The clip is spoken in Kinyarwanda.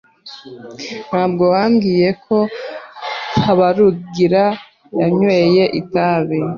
Ntabwo wambwiye ko Habarugira yanyweye itabi.